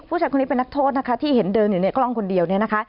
ผู้ชายคนนี้เป็นนักโทษนะคะที่เห็นเดินอยู่ในกล้องคนเดียวเนี่ยนะคะ